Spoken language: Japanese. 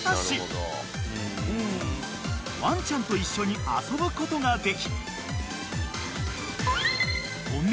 ［ワンちゃんと一緒に遊ぶことができ］